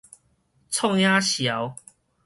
創啥潲